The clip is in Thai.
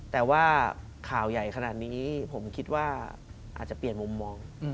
แต่ว่าข่าวใหญ่ขนาดนี้ผมคิดว่าอาจจะเปลี่ยนมุมมอง